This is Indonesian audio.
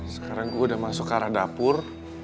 sekarang gue udah masuk ke arah dapur